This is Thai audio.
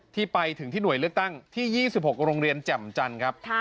ที่ไปถึงที่หน่วยเลือกตั้งที่๒๖โรงเรียนแจ่มจันทร์ครับ